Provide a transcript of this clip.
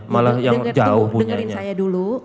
malah yang jauh punya saya dulu